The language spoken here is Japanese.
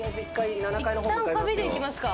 いったん紙でいきますか。